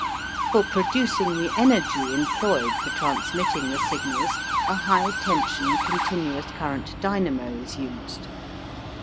For producing the energy employed for transmitting the signals a high tension continuous current dynamo is used.